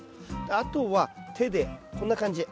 あとは手でこんな感じ。